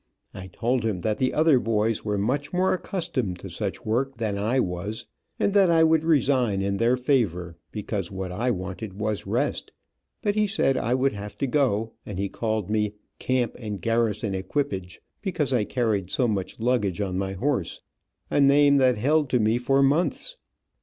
I told him that the other boys were more accustomed to such work than I was, and that I would resign in their favor, because what I wanted was rest, but he said I would have to go, and he called me "Camp and Garrison Equipage," because I carried so much luggage on my horse, a name that held to me for months.